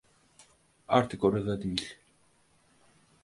Artık orada değil.